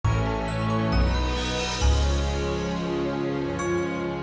jangan lupa like subscribe dan share ya